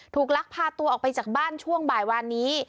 ลักพาตัวออกไปจากบ้านช่วงบ่ายวานนี้